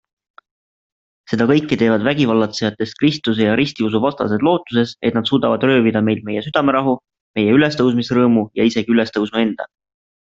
Seda kõike teevad vägivallatsejatest Kristuse ja ristiusu vastased lootuses, et nad suudavad röövida meilt meie südamerahu, meie ülestõusmisrõõmu ja isegi Ülestõusnu enda.